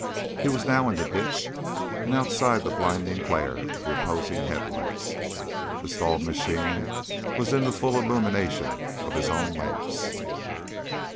He was now in the ditch and outside the blinding glare of the opposing headlights; the stalled machine was in the full illumination of his own lamps.